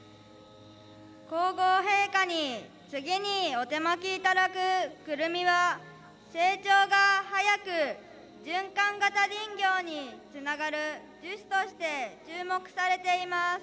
皇后陛下に次にお手播きいただくクルミは成長が早く循環型林業につながる樹種として注目されています。